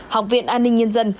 học viện an ninh nhân dân